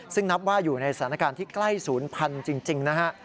ซึ่งนับว่าอยู่ในสถานการณ์ที่ใกล้ศูนย์พันธุ์จริงนะฮะ